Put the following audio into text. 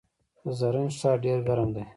د زرنج ښار ډیر ګرم دی